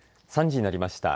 ３時になりました。